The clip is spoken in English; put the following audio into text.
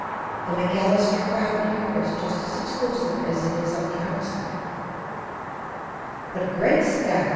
The McAllister crowd here is just as exclusive as it is on the outside. But, great Scott!